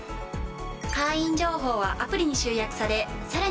会員情報はアプリに集約されさらに便利に。